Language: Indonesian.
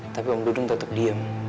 tapi om dudung tetap diem